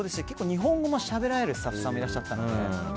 日本語をしゃべれるスタッフさんもいらっしゃったので。